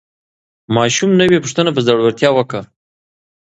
ماشوم نوې پوښتنه په زړورتیا وکړه